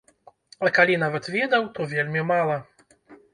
А калі нават ведаў, то вельмі мала.